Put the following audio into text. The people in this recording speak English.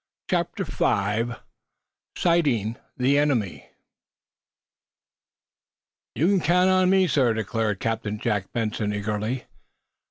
CHAPTER V SIGHTING THE ENEMY "You can count on me, sir," declared Captain Jack Benson, eagerly.